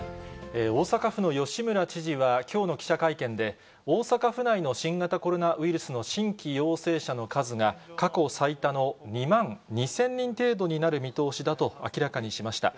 大阪府の吉村知事はきょうの記者会見で、大阪府内の新型コロナウイルスの新規陽性者の数が、過去最多の２万２０００人程度になる見通しだと明らかにしました。